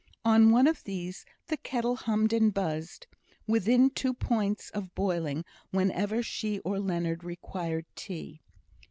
On one of these the kettle hummed and buzzed, within two points of boiling whenever she or Leonard required tea.